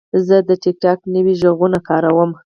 زه د ټک ټاک نوي غږونه کاروم.